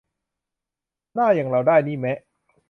หน้าอย่างเรานี่ได้แมะ